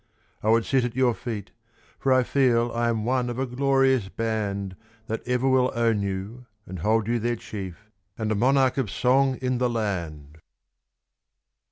I would sit at your feet, for I feel I am one of a glorious band That ever will own you and hold you their Chief, And a Monarch of Song in the land!